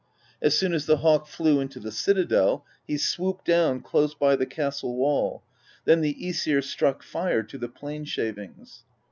As soon as the hawk flew into the citadel, he swooped down close by the castle wall; then the ^sir struck fire to the plane shavings.